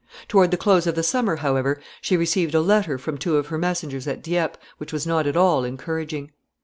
Toward the close of the summer, however, she received a letter from two of her messengers at Dieppe which was not at all encouraging.